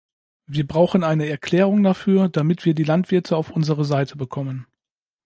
Wir brauchen eine Erklärung dafür, damit wir die Landwirte auf unsere Seite bekommen.